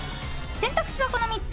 選択肢はこの３つ。